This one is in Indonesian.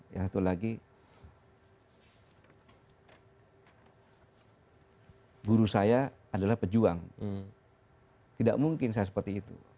yang satu lagi guru saya adalah pejuang tidak mungkin saya seperti itu